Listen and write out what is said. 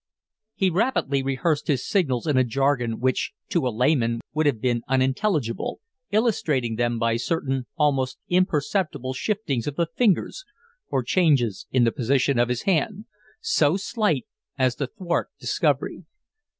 He rapidly rehearsed his signals in a jargon which to a layman would have been unintelligible, illustrating them by certain almost imperceptible shiftings of the fingers or changes in the position of his hand, so slight as to thwart discovery.